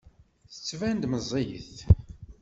Tettban-d meẓẓiyet.